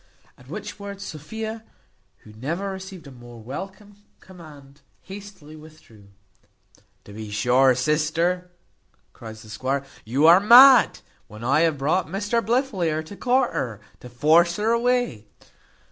At which words Sophia, who never received a more welcome command, hastily withdrew. "To be sure, sister," cries the squire, "you are mad, when I have brought Mr Blifil here to court her, to force her away."